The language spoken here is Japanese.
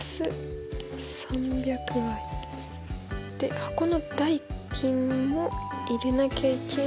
箱の代金も入れなきゃいけないから。